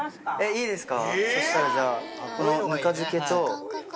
いいですか？